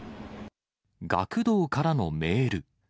学童からのメール。